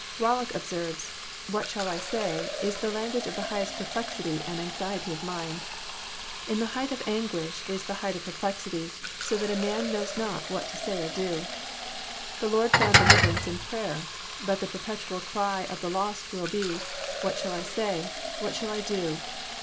Bollock observes :*<* What shall I say ?' id the language of the highest perplexity and anxiety of mind. In the height of anguish is the height of perplexity, so that a man knows not what to say or do. The Lord found deliverance in prayer. But the perpetual cry of the lost will be, * What shall I say? What shall I do